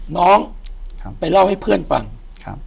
อยู่ที่แม่ศรีวิรัยิลครับ